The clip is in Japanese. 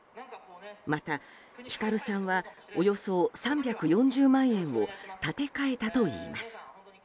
また、ヒカルさんはおよそ３４０万円を立て替えたといいます。